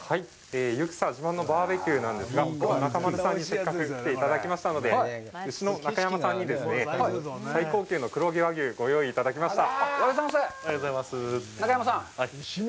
ユクサ自慢のバーベキューなんですが、中丸さんにせっかく来ていただきましたので、うしの中山さんに最高級の黒毛和牛をご用意いただきました。